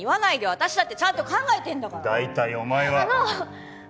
私だってちゃんと考えてんだから大体お前はあの！